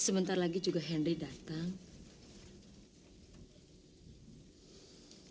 sebentar lagi juga henry datang